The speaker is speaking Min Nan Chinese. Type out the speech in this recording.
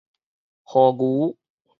和牛